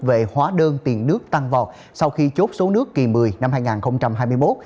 về hóa đơn tiền nước tăng vọt sau khi chốt số nước kỳ một mươi năm hai nghìn hai mươi một